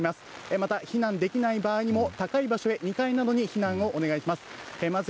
また、避難できない場合にも高い場所へ、２階などに避難をお願いします。